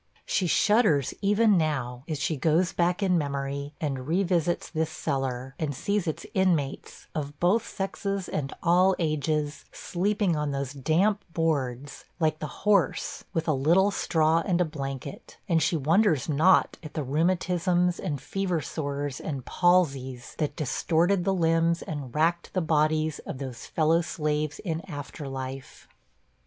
She shudders, even now, as she goes back in memory, and revisits this cellar, and sees its inmates, of both sexes and all ages, sleeping on those damp boards, like the horse, with a little straw and a blanket; and she wonders not at the rheumatisms, and fever sores, and palsies, that distorted the limbs and racked the bodies of those fellow slaves in after life.